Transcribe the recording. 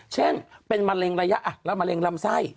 เช่นเป็นมะเร็งระยะแล้วมะเร็งลำไส้